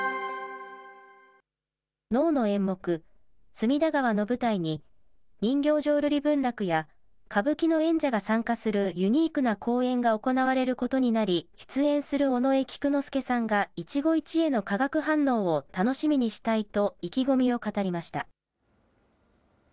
能の演目、隅田川の舞台に、人形浄瑠璃文楽や歌舞伎の演者が参加するユニークな公演が行われることになり、出演する尾上菊之助さんが、一期一会の化学反応を楽しみにしたいと意気込みを語りました。